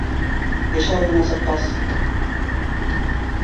Кеше алдына сыҡҡас...